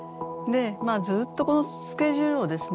ずっとこのスケジュールをですね